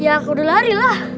ya kudulari lah